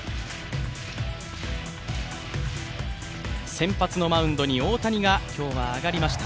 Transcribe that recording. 先発のマウンドに大谷が今日は上がりました。